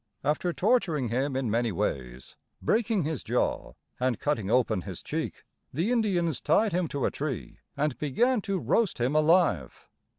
After torturing him in many ways, breaking his jaw and cutting open his cheek, the Indians tied him to a tree and began to roast him alive.